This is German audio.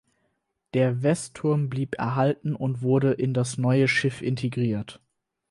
Der Westturm blieb erhalten und wurde in das neue Schiff integriert.